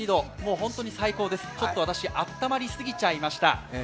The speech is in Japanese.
本当に最高です、ちょっと私、あったまりすぎちゃいました。